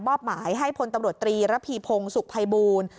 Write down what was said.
หมายให้พลตำรวจตรีระพีพงศุกร์ภัยบูรณ์